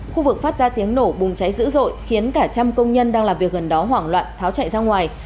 khu vực phát ra tiếng nổ bùng cháy dữ dội khiến cả trăm công nhân đang làm việc gần đó hoảng loạn tháo chạy ra ngoài